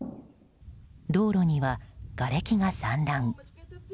道路には、がれきが散乱。